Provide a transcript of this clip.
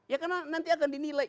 ya karena nanti akan dinilai